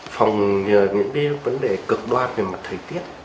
phòng nhờ những vấn đề cực đoan về mặt thời tiết